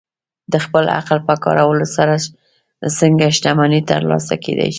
د خپل عقل په کارولو سره څنګه شتمني ترلاسه کېدای شي؟